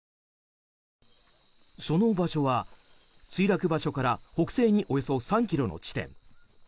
その場所は墜落場所から北西におよそ３ｋｍの地点。